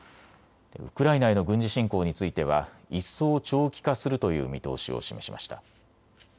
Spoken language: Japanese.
ウクライナへの軍事侵攻については一層、長期化するという見通しを示しました。